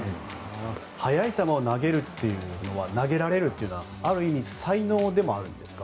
速い球を投げられるというのはある意味才能でもあるんですか。